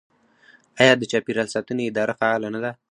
آیا د چاپیریال ساتنې اداره فعاله نه ده؟